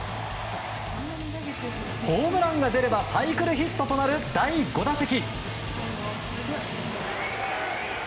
ホームランが出ればサイクルヒットとなる第５打席。